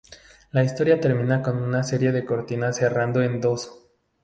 La historia termina con una serie de cortinas cerrando en dos.